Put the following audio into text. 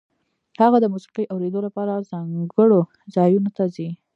هغه د موسیقۍ اورېدو لپاره ځانګړو ځایونو ته ځي